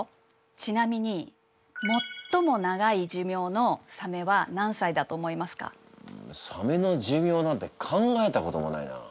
ちなみにサメの寿命なんて考えたこともないな。